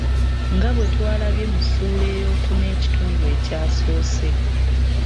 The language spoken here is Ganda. Nga bwe twalabye mu ssuula ey'okuna ekitundu ekyasoose.